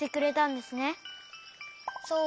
そう。